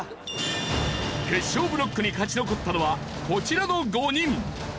決勝ブロックに勝ち残ったのはこちらの５人！